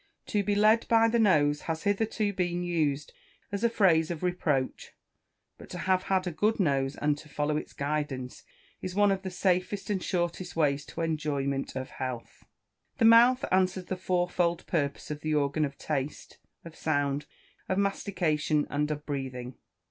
To be "led by the nose," has hitherto been used as a phrase of reproach. But to have a good nose, and to follow its guidance, is one of the safest and shortest ways to the enjoyment of health. The mouth answers the fourfold purpose of the organ of taste, of sound, of mastication, and of breathing.